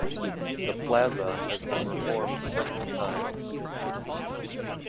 The plaza has been reformed several times.